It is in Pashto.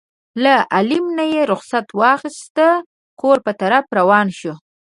له عالم نه یې رخصت واخیست کور په طرف روان شو.